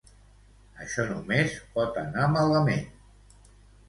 Això només pot anar malament.